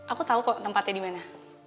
aku tahu kok tempatnya di mana